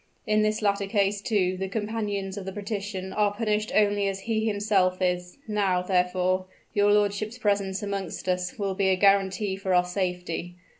In this latter case, too, the companions of the patrician are punished only as he himself is. Now, therefore, your lordship's presence amongst us will be a guarantee for our safety.